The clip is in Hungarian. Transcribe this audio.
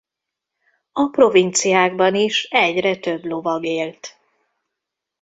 A provinciákban is egyre több lovag élt.